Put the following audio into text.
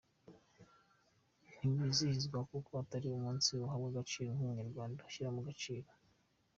Ntiwizihizwa kuko atari umunsi wahabwa agaciro n’Umunyarwanda ushyira mu gaciro.